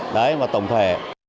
đấy và tổng thể